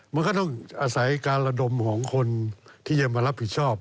มันก็ต้องอาศัยการระดมของคนที่จะมารับผิดชอบ